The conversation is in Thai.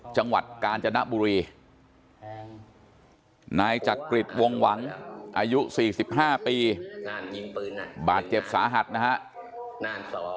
จังหวัดกาญจนบุรีนายจักริจวงหวังอายุ๔๕ปีบาดเจ็บสาหัสนะฮะ